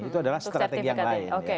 itu adalah strategi yang lain